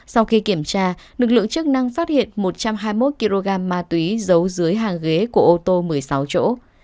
sau khi kiểm tra lực lượng chức năng phát hiện một trăm hai mươi một kg ma túy giấu dưới hàng ghế của ô tô một mươi sáu chỗ